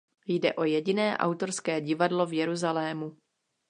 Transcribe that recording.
Jde o jediné autorské divadlo v Jeruzalému.